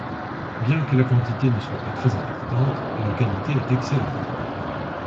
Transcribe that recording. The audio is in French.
Bien que la quantité ne soit pas très importante, la qualité est excellente.